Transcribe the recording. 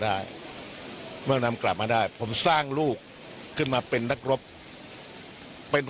ได้เมื่อนำกลับมาได้ผมสร้างลูกขึ้นมาเป็นนักรบเป็น